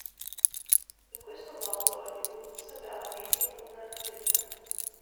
In questo modo Hollywood sembrava meno una "latrina".